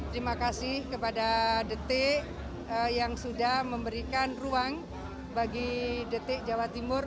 terima kasih kepada detik yang sudah memberikan ruang bagi detik jawa timur